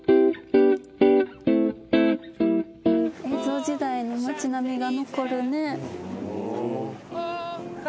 江戸時代の町並みが残るね。